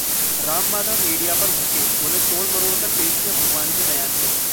Ram Madhav media पर भड़के, बोले- तोड़ मरोड़कर पेश किया भागवत के बयान को